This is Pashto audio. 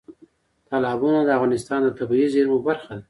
تالابونه د افغانستان د طبیعي زیرمو برخه ده.